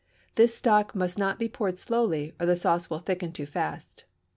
This stock must not be poured slowly, or the sauce will thicken too fast.